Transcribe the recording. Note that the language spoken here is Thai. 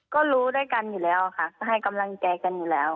ก็รู้ด้วยกันอยู่แล้วค่ะก็ให้กำลังใจกันอยู่แล้ว